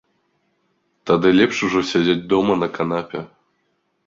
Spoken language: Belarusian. Тады лепш ужо сядзець дома на канапе.